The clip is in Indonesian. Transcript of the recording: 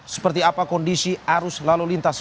seperti apa kondisi arus lalu lintas